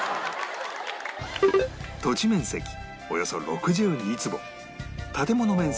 土地面積およそ６２坪建物面積